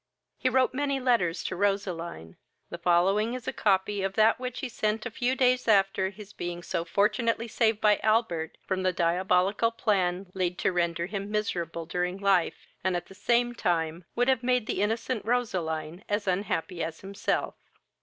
He wrote many letters to Roseline. The following is a copy of that which he sent a few days after his being so fortunately saved by Albert from the diabolical plan laid to render him miserable during life, and at the same time would have made the innocent Roseline as unhappy as himself.